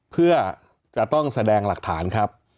เพื่อจะต้องแสดงหลักฐานครับ